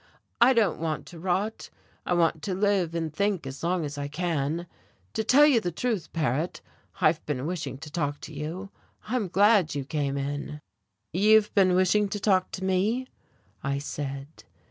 "I don't want to rot, I want to live and think as long as I can. To tell you the truth, Paret, I've been wishing to talk to you I'm glad you came in." "You've been wishing to talk to me?" I said.